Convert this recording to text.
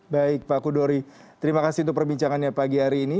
baik pak kudori terima kasih untuk perbincangannya pagi hari ini